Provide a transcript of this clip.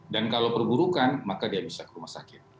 kalau perburukan maka dia bisa ke rumah sakit